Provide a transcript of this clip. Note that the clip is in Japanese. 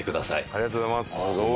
ありがとうございます。